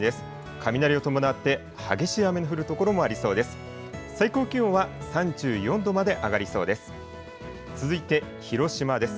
雷を伴って激しい雨の降る所もありそうです。